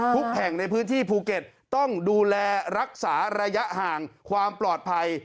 แห่งในพื้นที่ภูเก็ตต้องดูแลรักษาระยะห่างความปลอดภัย